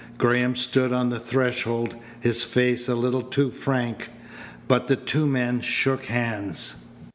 Graham stood on the threshold, his face a little too frank. But the two men shook hands.